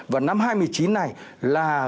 và năm hai mươi chín này là